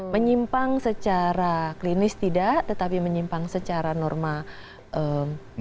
menyimpang secara klinis tidak tetapi menyimpang secara normal